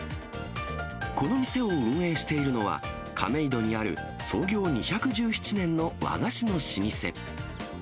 この店を運営しているのは、亀戸にある創業２１７年の和菓子の老舗。